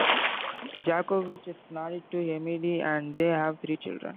Jakovich is married to Emily and they have three children.